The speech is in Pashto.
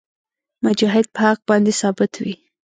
مجاهد په حق باندې ثابت وي.